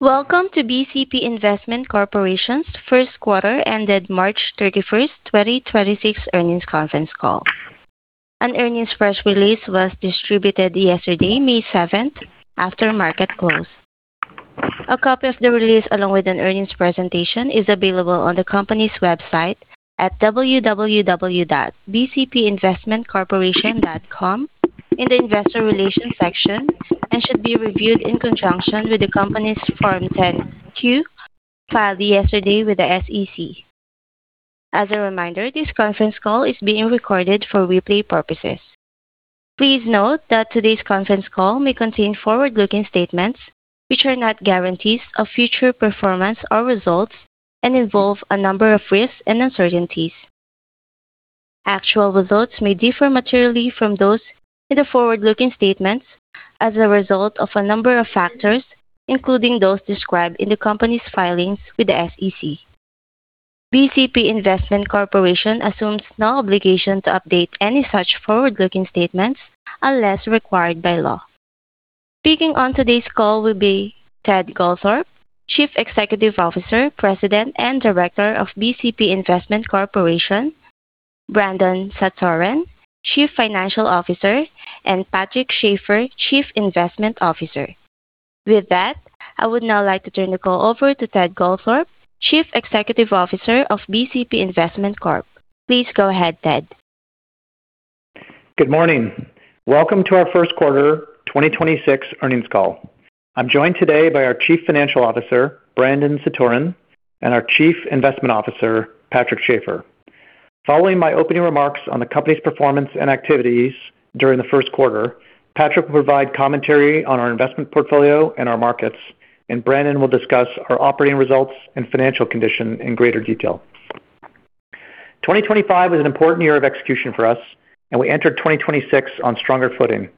Welcome to BCP Investment Corporation's first quarter ended March 31st, 2026 earnings conference call. An earnings press release was distributed yesterday, May 7th, after market close. A copy of the release, along with an earnings presentation, is available on the company's website at www.bcpinvestmentcorporation.com in the Investor Relations section and should be reviewed in conjunction with the company's Form 10-Q filed yesterday with the SEC. As a reminder, this conference call is being recorded for replay purposes. Please note that today's conference call may contain forward-looking statements, which are not guarantees of future performance or results and involve a number of risks and uncertainties. Actual results may differ materially from those in the forward-looking statements as a result of a number of factors, including those described in the company's filings with the SEC. BCP Investment Corporation assumes no obligation to update any such forward-looking statements unless required by law. Speaking on today's call will be Ted Goldthorpe, Chief Executive Officer, President, and Director of BCP Investment Corporation, Brandon Satoren, Chief Financial Officer, and Patrick Schafer, Chief Investment Officer. With that, I would now like to turn the call over to Ted Goldthorpe, Chief Executive Officer of BCP Investment Corp. Please go ahead, Ted. Good morning. Welcome to our first quarter 2026 earnings call. I'm joined today by our Chief Financial Officer, Brandon Satoren, and our Chief Investment Officer, Patrick Schafer. Following my opening remarks on the company's performance and activities during the first quarter, Patrick will provide commentary on our investment portfolio and our markets, and Brandon will discuss our operating results and financial condition in greater detail. 2025 was an important year of execution for us, and we entered 2026 on stronger footing.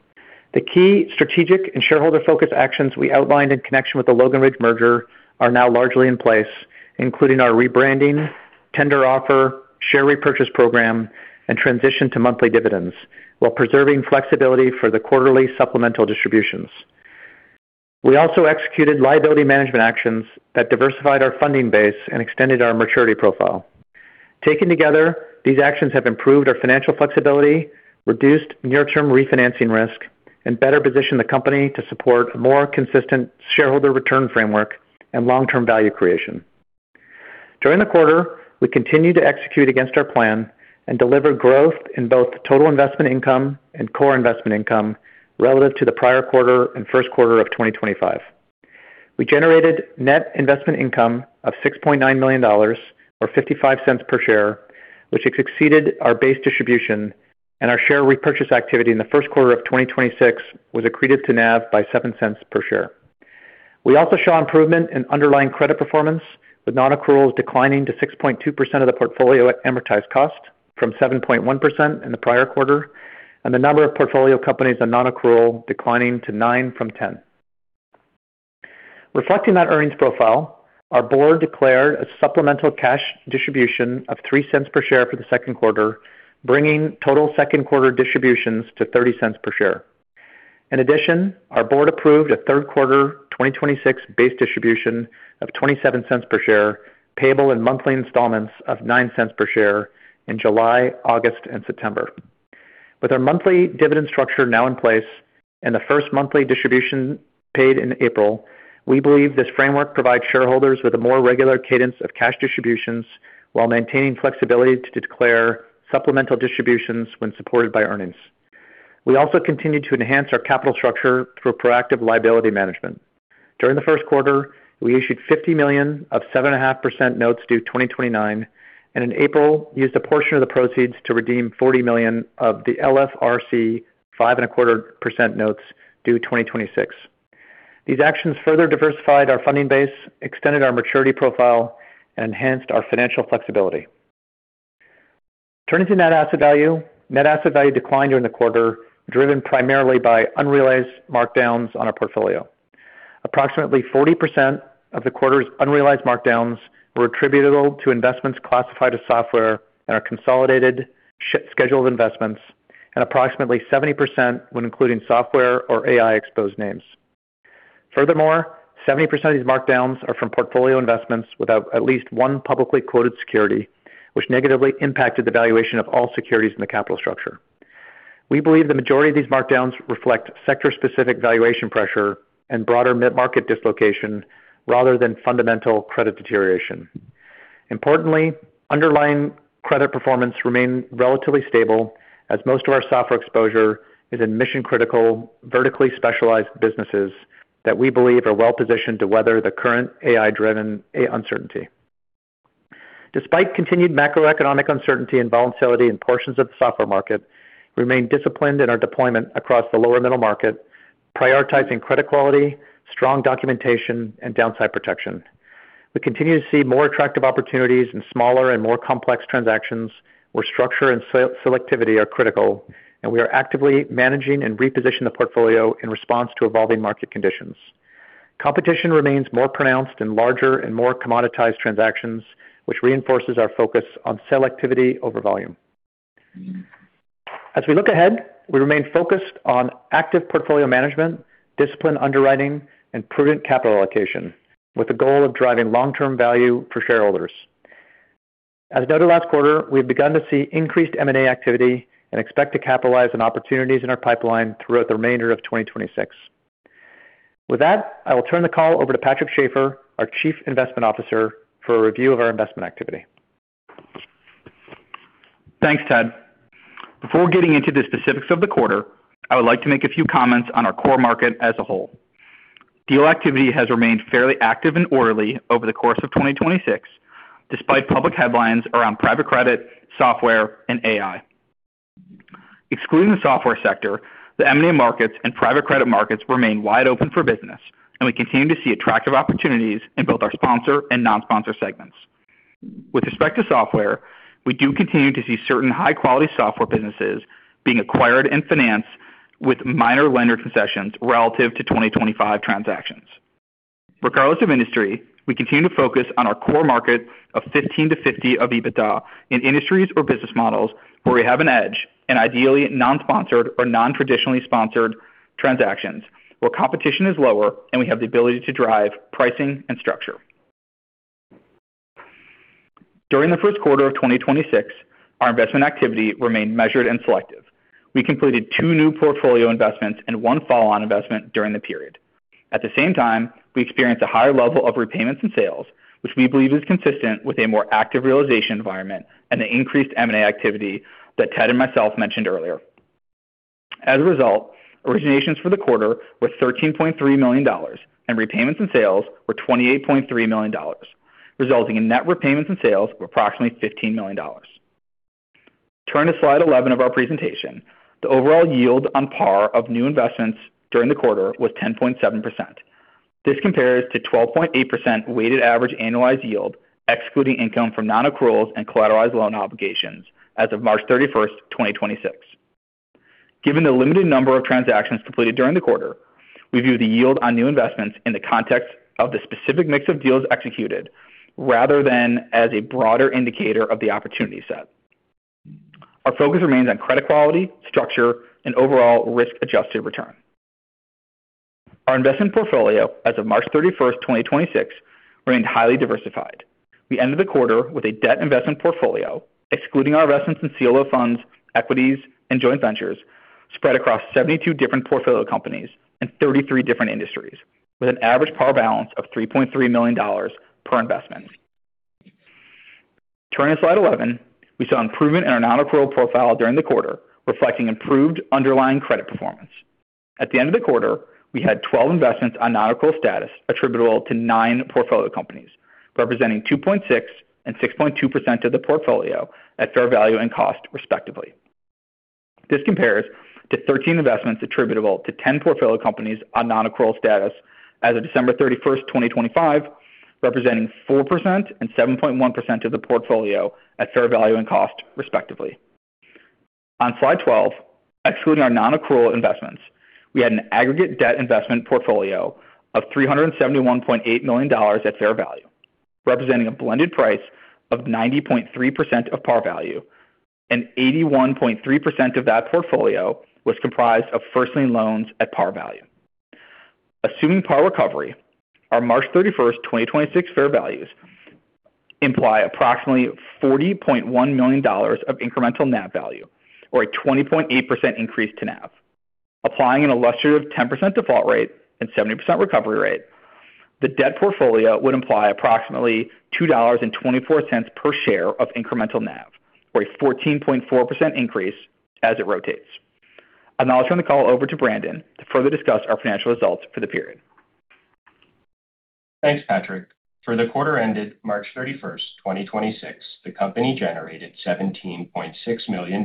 The key strategic and shareholder-focused actions we outlined in connection with the Logan Ridge merger are now largely in place, including our rebranding, tender offer, share repurchase program, and transition to monthly dividends while preserving flexibility for the quarterly supplemental distributions. We also executed liability management actions that diversified our funding base and extended our maturity profile. Taken together, these actions have improved our financial flexibility, reduced near-term refinancing risk, and better position the company to support more consistent shareholder return framework and long-term value creation. During the quarter, we continued to execute against our plan and deliver growth in both total investment income and core investment income relative to the prior quarter and first quarter of 2025. We generated net investment income of $6.9 million, or $0.55 per share, which exceeded our base distribution, and our share repurchase activity in the first quarter of 2026 was accretive to NAV by $0.07 per share. We also show improvement in underlying credit performance, with non-accruals declining to 6.2% of the portfolio at amortized cost from 7.1% in the prior quarter, and the number of portfolio companies on non-accrual declining to 9 from 10. Reflecting that earnings profile, our board declared a supplemental cash distribution of $0.03 per share for the second quarter, bringing total second-quarter distributions to $0.30 per share. In addition, our board approved a third quarter 2026 base distribution of $0.27 per share, payable in monthly installments of $0.09 per share in July, August, and September. With our monthly dividend structure now in place and the first monthly distribution paid in April, we believe this framework provides shareholders with a more regular cadence of cash distributions while maintaining flexibility to declare supplemental distributions when supported by earnings. We also continued to enhance our capital structure through proactive liability management. During the first quarter, we issued $50 million of 7.5% notes due 2029, and in April used a portion of the proceeds to redeem $40 million of the LRFC 5.25% notes due 2026. These actions further diversified our funding base, extended our maturity profile, and enhanced our financial flexibility. Turning to net asset value. Net asset value declined during the quarter, driven primarily by unrealized markdowns on our portfolio. Approximately 40% of the quarter's unrealized markdowns were attributable to investments classified as software in our consolidated schedule of investments and approximately 70% when including software or AI-exposed names. 70% of these markdowns are from portfolio investments without at least one publicly quoted security, which negatively impacted the valuation of all securities in the capital structure. We believe the majority of these markdowns reflect sector-specific valuation pressure and broader mid-market dislocation rather than fundamental credit deterioration. Underlying credit performance remained relatively stable as most of our software exposure is in mission-critical, vertically specialized businesses that we believe are well-positioned to weather the current AI-driven uncertainty. Despite continued macroeconomic uncertainty and volatility in portions of the software market, we remain disciplined in our deployment across the lower middle market, prioritizing credit quality, strong documentation, and downside protection. We continue to see more attractive opportunities in smaller and more complex transactions where structure and selectivity are critical, and we are actively managing and reposition the portfolio in response to evolving market conditions. Competition remains more pronounced in larger and more commoditized transactions, which reinforces our focus on selectivity over volume. As we look ahead, we remain focused on active portfolio management, disciplined underwriting, and prudent capital allocation, with the goal of driving long-term value for shareholders. As noted last quarter, we've begun to see increased M&A activity and expect to capitalize on opportunities in our pipeline throughout the remainder of 2026. With that, I will turn the call over to Patrick Schafer, our Chief Investment Officer, for a review of our investment activity. Thanks, Ted. Before getting into the specifics of the quarter, I would like to make a few comments on our core market as a whole. Deal activity has remained fairly active and orderly over the course of 2026, despite public headlines around private credit, software, and AI. Excluding the software sector, the M&A markets and private credit markets remain wide open for business, and we continue to see attractive opportunities in both our sponsor and non-sponsor segments. With respect to software, we do continue to see certain high-quality software businesses being acquired and financed with minor lender concessions relative to 2025 transactions. Regardless of industry, we continue to focus on our core market of 15 to 50 of EBITDA in industries or business models where we have an edge and ideally non-sponsored or non-traditionally sponsored transactions where competition is lower and we have the ability to drive pricing and structure. During the first quarter of 2026, our investment activity remained measured and selective. We completed two new portfolio investments and one follow-on investment during the period. At the same time, we experienced a higher level of repayments and sales, which we believe is consistent with a more active realization environment and the increased M&A activity that Ted and myself mentioned earlier. Originations for the quarter were $13.3 million, and repayments and sales were $28.3 million, resulting in net repayments and sales of approximately $15 million. Turning to Slide 11 of our presentation, the overall yield on par of new investments during the quarter was 10.7%. This compares to 12.8% weighted average annualized yield, excluding income from non-accruals and collateralized loan obligations as of March 31, 2026. Given the limited number of transactions completed during the quarter, we view the yield on new investments in the context of the specific mix of deals executed rather than as a broader indicator of the opportunity set. Our focus remains on credit quality, structure, and overall risk-adjusted return. Our investment portfolio as of March 31, 2026 remained highly diversified. We ended the quarter with a debt investment portfolio, excluding our investments in CLO funds, equities, and joint ventures, spread across 72 different portfolio companies and 33 different industries, with an average par balance of $3.3 million per investment. Turning to Slide 11, we saw improvement in our non-accrual profile during the quarter, reflecting improved underlying credit performance. At the end of the quarter, we had 12 investments on non-accrual status attributable to nine portfolio companies, representing 2.6% and 6.2% of the portfolio at fair value and cost, respectively. This compares to 13 investments attributable to 10 portfolio companies on non-accrual status as of December 31, 2025, representing 4% and 7.1% of the portfolio at fair value and cost, respectively. On Slide 12, excluding our non-accrual investments, we had an aggregate debt investment portfolio of $371.8 million at fair value, representing a blended price of 90.3% of par value, and 81.3% of that portfolio was comprised of first lien loans at par value. Assuming par recovery, our March 31st, 2026 fair values imply approximately $40.1 million of incremental NAV value, or a 20.8% increase to NAV. Applying an illustrative 10% default rate and 70% recovery rate, the debt portfolio would imply approximately $2.24 per share of incremental NAV, or a 14.4% increase as it rotates. I'll now turn the call over to Brandon to further discuss our financial results for the period. Thanks, Patrick. For the quarter ended March 31, 2026, the company generated $17.6 million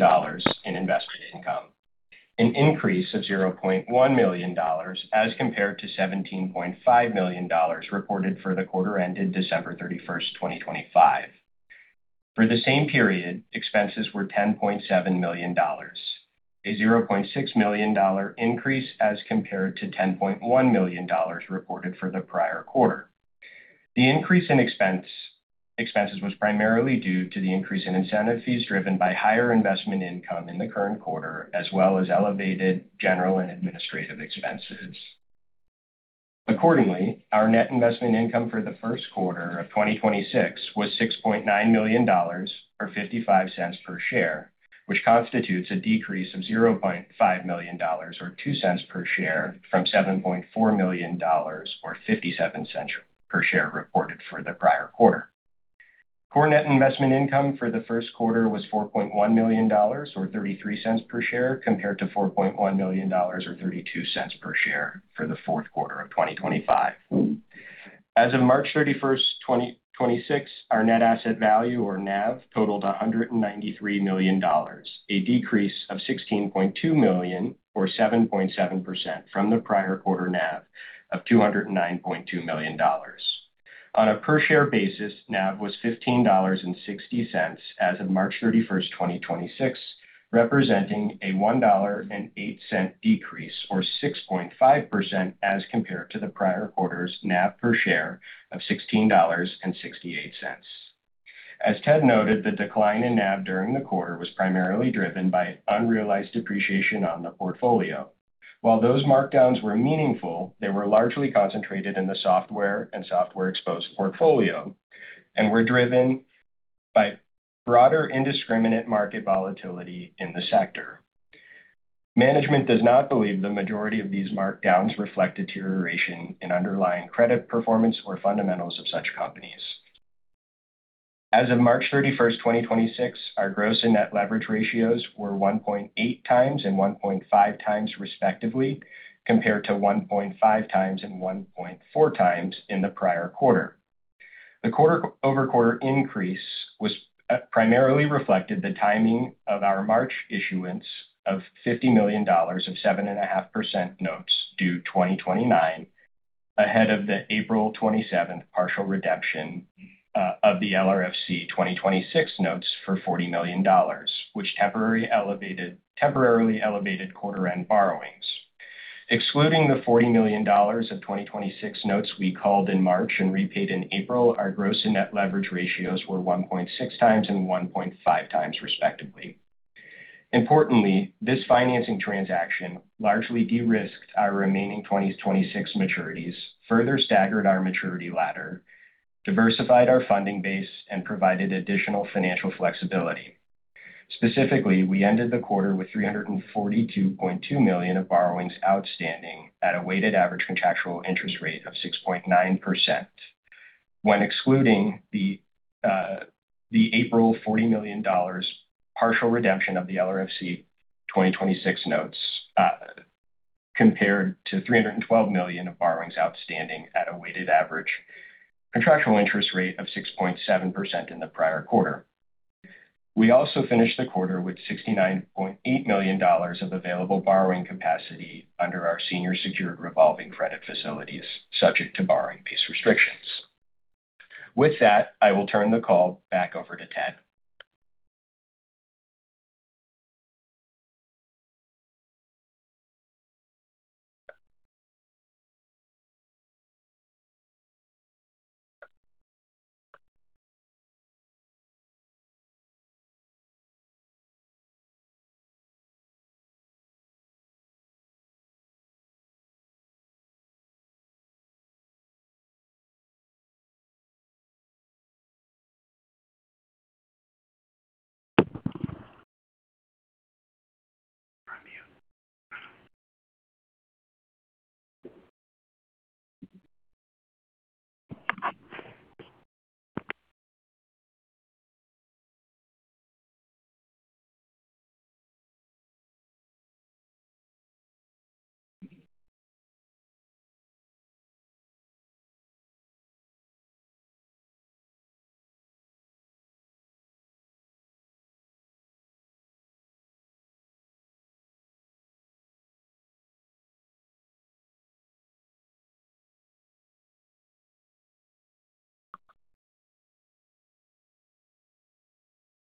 in investment income, an increase of $0.1 million as compared to $17.5 million reported for the quarter ended December 31, 2025. For the same period, expenses were $10.7 million, a $0.6 million increase as compared to $10.1 million reported for the prior quarter. The increase in expenses was primarily due to the increase in incentive fees driven by higher investment income in the current quarter, as well as elevated general and administrative expenses. Accordingly, our net investment income for the first quarter of 2026 was $6.9 million, or $0.55 per share, which constitutes a decrease of $0.5 million, or $0.02 per share, from $7.4 million, or $0.57 per share reported for the prior quarter. Core net investment income for the first quarter was $4.1 million, or $0.33 per share, compared to $4.1 million, or $0.32 per share for the fourth quarter of 2025. As of March 31st, 2026, our net asset value, or NAV, totaled $193 million, a decrease of $16.2 million or 7.7% from the prior quarter NAV of $209.2 million. On a per share basis, NAV was $15.60 as of March 31, 2026, representing a $1.08 decrease, or 6.5% as compared to the prior quarter's NAV per share of $16.68. As Ted noted, the decline in NAV during the quarter was primarily driven by unrealized depreciation on the portfolio. While those markdowns were meaningful, they were largely concentrated in the software and software exposed portfolio and were driven by broader indiscriminate market volatility in the sector. Management does not believe the majority of these markdowns reflect deterioration in underlying credit performance or fundamentals of such companies. As of March 31, 2026, our gross and net leverage ratios were 1.8x and 1.5x respectively, compared to 1.5x and 1.4x in the prior quarter. The quarter-over-quarter increase was primarily reflected the timing of our March issuance of $50 million of 7.5% notes due 2029, ahead of the April 27th partial redemption of the LRFC 2026 notes for $40 million, which temporarily elevated quarter end borrowings. Excluding the $40 million of 2026 notes we called in March and repaid in April, our gross and net leverage ratios were 1.6 times and 1.5 times respectively. Importantly, this financing transaction largely de-risked our remaining 2026 maturities, further staggered our maturity ladder, diversified our funding base and provided additional financial flexibility. Specifically, we ended the quarter with $342.2 million of borrowings outstanding at a weighted average contractual interest rate of 6.9%. When excluding the April $40 million partial redemption of the LRFC 2026 notes, compared to $312 million of borrowings outstanding at a weighted average contractual interest rate of 6.7% in the prior quarter. We also finished the quarter with $69.8 million of available borrowing capacity under our senior secured revolving credit facilities, subject to borrowing-based restrictions. With that, I will turn the call back over to Ted.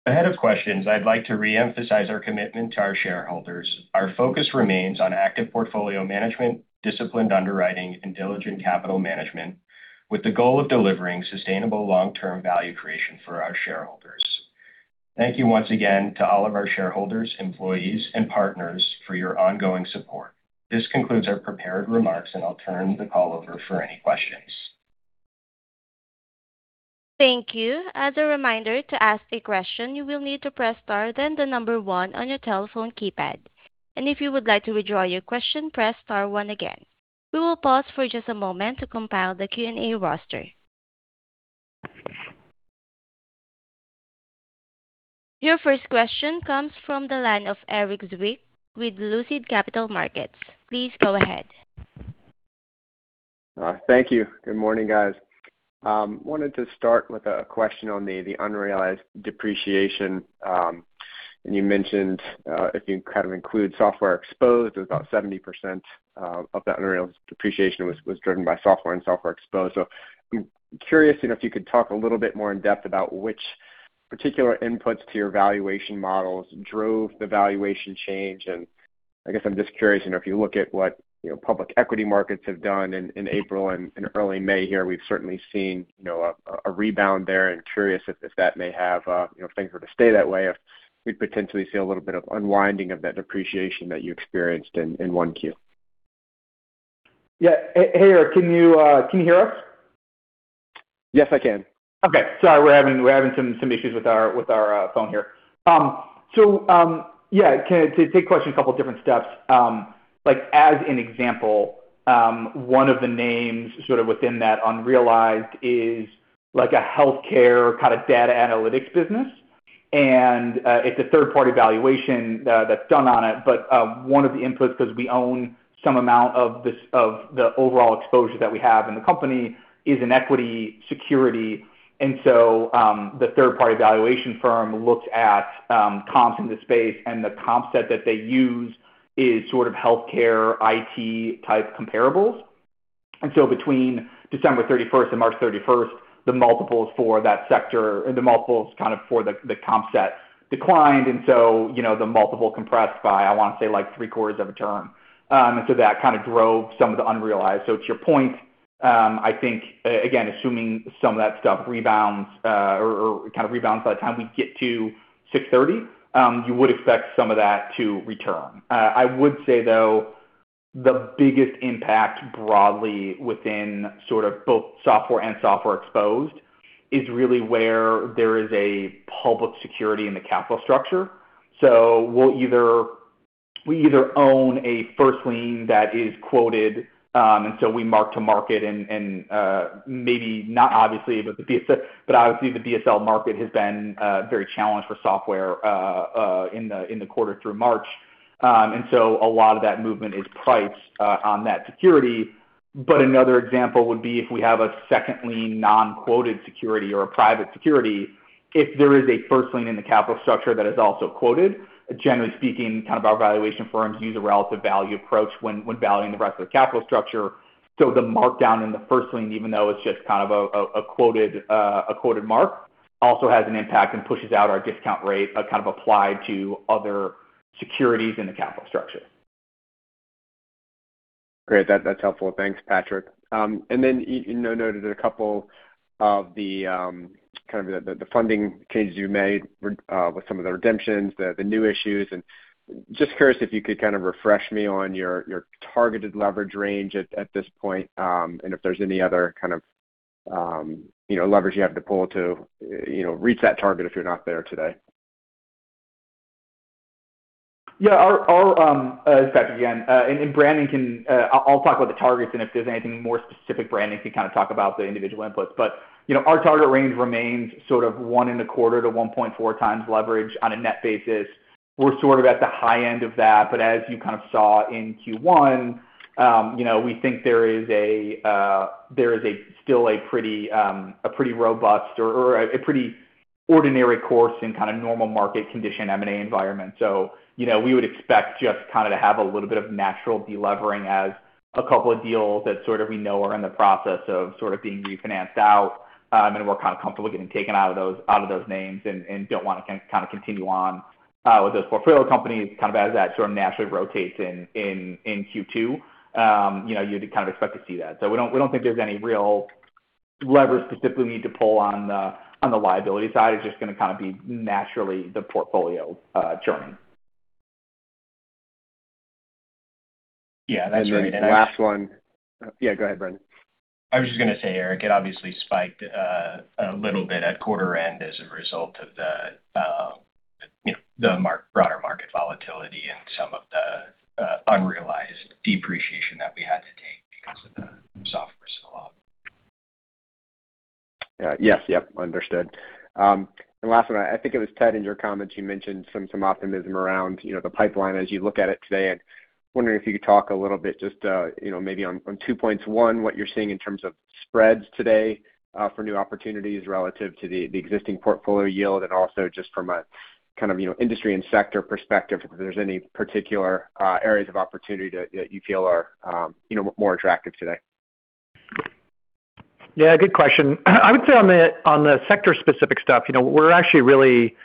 Ahead of questions, I'd like to re-emphasize our commitment to our shareholders. Our focus remains on active portfolio management, disciplined underwriting, and diligent capital management with the goal of delivering sustainable long-term value creation for our shareholders. Thank you once again to all of our shareholders, employees and partners for your ongoing support. This concludes our prepared remarks, and I'll turn the call over for any questions. Thank you. As a reminder to ask a question, you will need to press star, then the number 1 on your telephone keypad. If you would like to withdraw your question, press star again. We will pause for just a moment to compile the Q&A roster. Your first question comes from the line of Erik Zwick with Lucid Capital Markets. Please go ahead. Thank you. Good morning, guys. Wanted to start with a question on the unrealized depreciation. You mentioned if you kind of include software exposed, it was about 70% of that unrealized depreciation was driven by software and software exposed. I'm curious, you know, if you could talk a little bit more in-depth about which particular inputs to your valuation models drove the valuation change. I guess I'm just curious, you know, if you look at what, you know, public equity markets have done in April and in early May here, we've certainly seen, you know, a rebound there. I'm curious if that may have, you know, things were to stay that way, if we'd potentially see a little bit of unwinding of that depreciation that you experienced in 1Q. Yeah. hey, Erik, can you hear us? Yes, I can. Okay. Sorry, we're having some issues with our phone here. Yeah, to take questions a couple different steps. Like as an example, 1 of the names sort of within that unrealized is like a healthcare kind of data analytics business. It's a third-party valuation that's done on it. One of the inputs, 'cause we own some amount of the overall exposure that we have in the company is an equity security. The third-party valuation firm looks at comps in the space, and the comp set that they use is sort of healthcare IT type comparables. Between December 31st and March 31st, the multiples for that sector and the multiples kind of for the comp set declined. You know, the multiple compressed by, I wanna say like three-quarters of a term. That kind of drove some of the unrealized. To your point. I think, again, assuming some of that stuff rebounds, or kind of rebounds by the time we get to six thirty, you would expect some of that to return. I would say, though, the biggest impact broadly within sort of both software and software exposed is really where there is a public security in the capital structure. We either own a first lien that is quoted, and we mark-to-market and, maybe not obviously, but obviously the BSL market has been very challenged for software in the quarter through March. A lot of that movement is priced on that security. Another example would be if we have a second lien non-quoted security or a private security. If there is a first lien in the capital structure that is also quoted, generally speaking, kind of our valuation firms use a relative value approach when valuing the rest of the capital structure. The markdown in the first lien, even though it's just kind of a quoted mark, also has an impact and pushes out our discount rate, kind of applied to other securities in the capital structure. Great. That, that's helpful. Thanks, Patrick. Then you know, noted a couple of the kind of the funding changes you made with some of the redemptions, the new issues. Just curious if you could kind of refresh me on your targeted leverage range at this point, and if there's any other kind of, you know, leverage you have to pull to, you know, reach that target if you're not there today. Yeah. Our, our It's Patrick again. Brandon Satoren can, I'll talk about the targets, and if there's anything more specific, Brandon Satoren can kind of talk about the individual inputs. You know, our target range remains sort of 1.25-1.4 times leverage on a net basis. We're sort of at the high end of that. As you kind of saw in Q1, you know, we think there is a still a pretty robust or a pretty ordinary course in kind of normal market condition M&A environment. You know, we would expect just kind of to have a little bit of natural de-levering as a couple of deals that sort of we know are in the process of sort of being refinanced out, and we're kind of comfortable getting taken out of those names and don't wanna kind of continue on with those portfolio companies kind of as that sort of naturally rotates in Q2. You know, you'd kind of expect to see that. We don't, we don't think there's any real leverage specifically we need to pull on the liability side. It's just gonna kind of be naturally the portfolio churning. Yeah, that's great. Last one. Yeah, go ahead, Brandon. I was just gonna say, Erik, it obviously spiked, a little bit at quarter end as a result of the, you know, the broader market volatility and some of the unrealized depreciation that we had to take because of the software sell-off. Yeah. Yes. Yep, understood. Last one, I think it was Ted, in your comments, you mentioned some optimism around, you know, the pipeline as you look at it today. Wondering if you could talk a little bit just, you know, maybe on two points. One, what you're seeing in terms of spreads today, for new opportunities relative to the existing portfolio yield and also just from a kind of, you know, industry and sector perspective, if there's any particular areas of opportunity that you feel are, you know, more attractive today. Yeah, good question. I would say on the sector specific stuff, you know, we're actually really,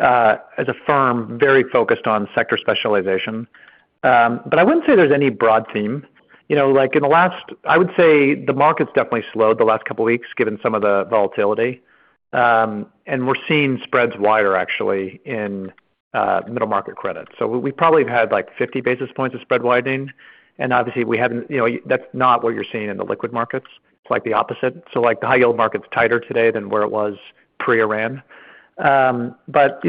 as a firm, very focused on sector specialization. I wouldn't say there's any broad theme. You know, like in the last I would say the market's definitely slowed the last couple weeks given some of the volatility. We're seeing spreads wider actually in middle market credit. We probably have had like 50 basis points of spread widening, and obviously we haven't. You know, that's not what you're seeing in the liquid markets. It's like the opposite. Like the high yield market's tighter today than where it was pre-Iran. you know,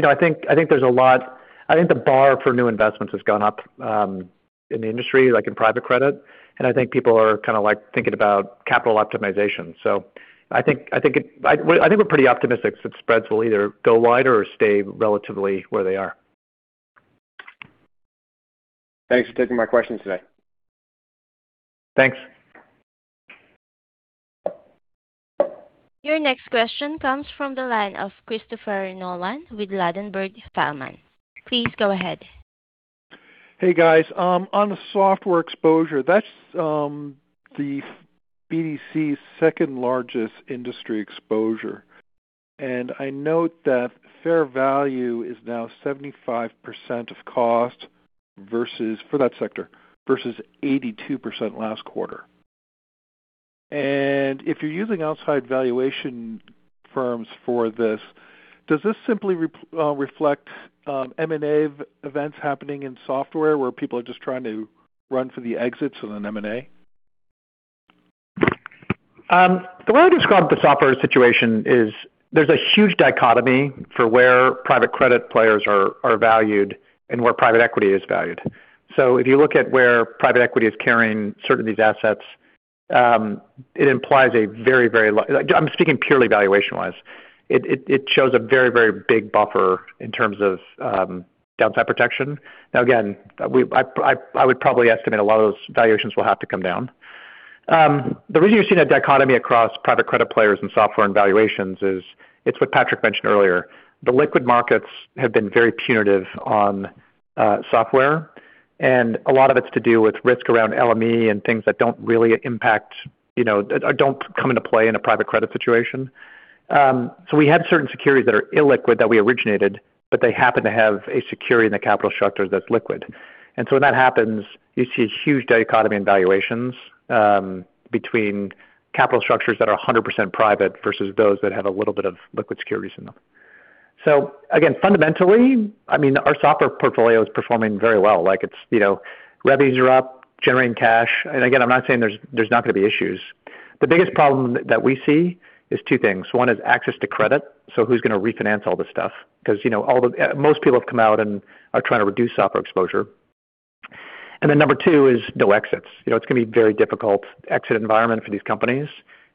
I think there's a lot I think the bar for new investments has gone up in the industry, like in private credit. I think people are kinda like thinking about capital optimization. I think I, well, I think we're pretty optimistic that spreads will either go wider or stay relatively where they are. Thanks for taking my questions today. Thanks. Your next question comes from the line of Christopher Nolan with Ladenburg Thalmann. Please go ahead. Hey, guys. on the software exposure, that's the BDC's second largest industry exposure. I note that fair value is now 75% of cost versus, for that sector, versus 82% last quarter. If you're using outside valuation firms for this, does this simply reflect M&A events happening in software where people are just trying to run for the exits on an M&A? The way I describe the software situation is there's a huge dichotomy for where private credit players are valued and where private equity is valued. If you look at where private equity is carrying certain of these assets, it implies a very, very low I'm speaking purely valuation-wise. It shows a very, very big buffer in terms of downside protection. Now again, I would probably estimate a lot of those valuations will have to come down. The reason you're seeing a dichotomy across private credit players and software and valuations is it's what Patrick mentioned earlier. The liquid markets have been very punitive on software, and a lot of it's to do with risk around LME and things that don't really impact, you know, don't come into play in a private credit situation. We had certain securities that are illiquid that we originated, but they happen to have a security in the capital structure that's liquid. When that happens, you see a huge dichotomy in valuations between capital structures that are 100% private versus those that have a little bit of liquid securities in them. Fundamentally, I mean, our software portfolio is performing very well. Like it's, you know, revenues are up, generating cash. I'm not saying there's not going to be issues. The biggest problem that we see is 2 things. 1 is access to credit, so who's going to refinance all this stuff? Because, you know, all the, most people have come out and are trying to reduce software exposure. Number 2 is no exits. You know, it's going to be very difficult exit environment for these companies.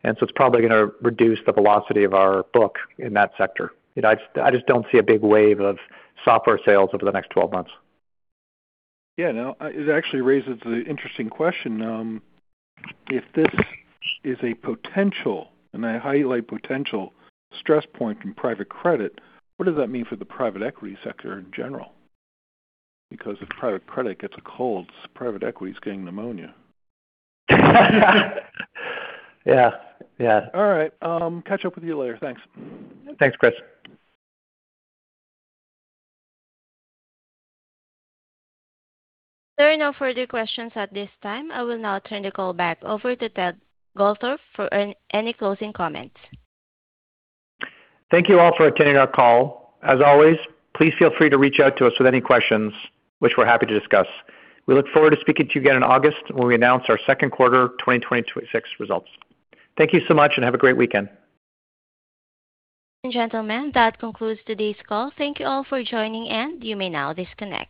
It's probably gonna reduce the velocity of our book in that sector. You know, I just don't see a big wave of software sales over the next 12 months. Yeah, no. It actually raises an interesting question. If this is a potential, and I highlight potential stress point in private credit, what does that mean for the private equity sector in general? If private credit gets a cold, private equity is getting pneumonia. Yeah. Yeah. All right. Catch up with you later. Thanks. Thanks, Chris. There are no further questions at this time. I will now turn the call back over to Ted Goldthorpe for any closing comments. Thank you all for attending our call. As always, please feel free to reach out to us with any questions which we're happy to discuss. We look forward to speaking to you again in August when we announce our second quarter 2026 results. Thank you so much and have a great weekend. Ladies and gentlemen, that concludes today's call. Thank you all for joining. You may now disconnect.